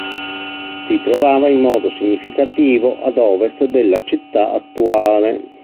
Si trovava in modo significativo ad ovest della città attuale.